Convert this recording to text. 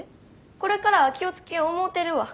これからは気を付けよう思うてるわ。